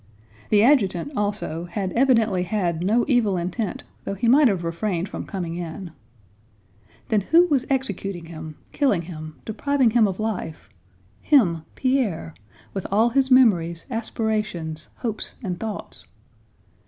The adjutant, also, had evidently had no evil intent though he might have refrained from coming in. Then who was executing him, killing him, depriving him of life—him, Pierre, with all his memories, aspirations, hopes, and thoughts?